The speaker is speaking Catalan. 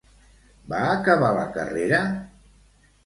Va acabar la carrera?